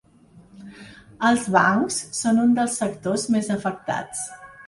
Els bancs són un dels sectors més afectats.